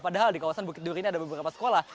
padahal di kawasan bukit duri ini ada beberapa sekolah